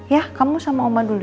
ya kamu sama oma dutra